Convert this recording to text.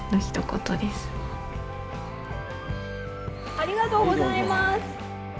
ありがとうございます。